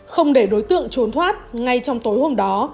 không để đối tượng trốn thoát ngay trong tối hôm đó